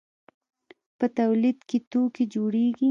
په تولید کې توکي جوړیږي.